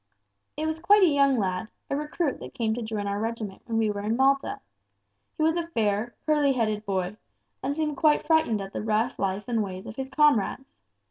"It was quite a young lad, a recruit that came to join our regiment when we were in Malta. He was a fair, curly headed boy, and seemed quite frightened at the rough life and ways of his comrades.